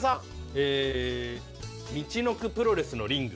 えみちのくプロレスのリング。